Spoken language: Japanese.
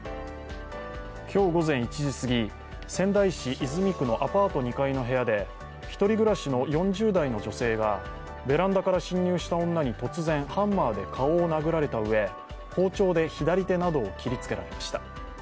今日午前１時すぎ、仙台市泉区のアパート２階の部屋で１人暮らしの４０代の女性がベランダから侵入した女に突然、ハンマーで顔を殴られたうえ包丁で左手などを切りつけられました。